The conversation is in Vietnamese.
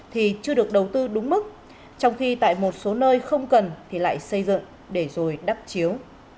thì chưa được đầu tư đúng mức trong khi tại một số nơi không cần thì lại xây dựng để rồi đắp chiếu